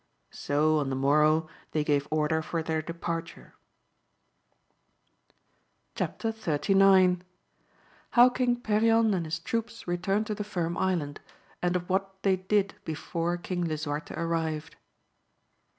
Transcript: So on the morrow they gave order for their departure. AMADIS OF GAUL. 257 Chap. XXXIX. — ^How King Ferion and his troops returned to the Firm Island, and of what they did before King Lisuarte arrived.